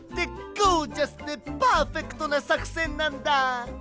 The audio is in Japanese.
ゴージャスでパーフェクトなさくせんなんだ！